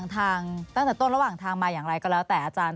ทางตั้งแต่ต้นระหว่างทางมาอย่างไรก็แล้วแต่อาจารย์